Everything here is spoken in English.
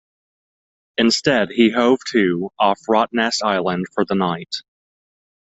Instead he hove to off Rottnest Island for the night.